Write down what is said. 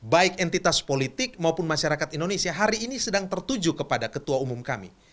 baik entitas politik maupun masyarakat indonesia hari ini sedang tertuju kepada ketua umum kami